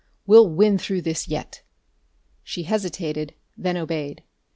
We'll win through this yet." She hesitated, then obeyed.